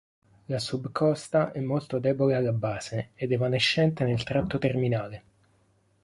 La subcosta è molto debole alla base ed evanescente nel tratto terminale.